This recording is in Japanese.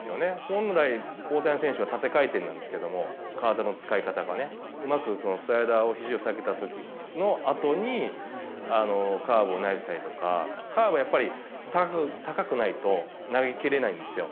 本来、大谷選手は縦回転なんですけれども、体の使い方がね、うまくスライダーでひじを下げたあとにカーブを投げたりとか、カーブはやっぱり高くないと、投げきれないんですよ。